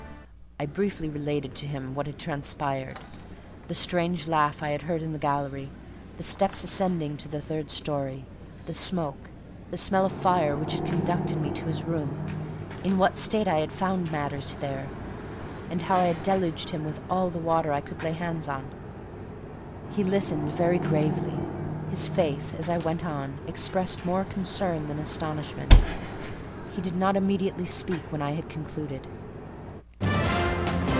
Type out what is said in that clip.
I briefly related to him what had transpired: the strange laugh I had heard in the gallery: the step ascending to the third storey; the smoke,—the smell of fire which had conducted me to his room; in what state I had found matters there, and how I had deluged him with all the water I could lay hands on. "What is it and who did it?" he asked He listened very gravely; his face, as I went on, expressed more concern than astonishment; he did not immediately speak when I had concluded.